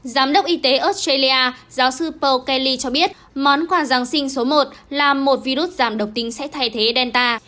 giám đốc y tế australia giáo sư pow kelley cho biết món quà giáng sinh số một là một virus giảm độc tính sẽ thay thế delta